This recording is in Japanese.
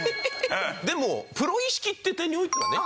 でもプロ意識って点においてはね。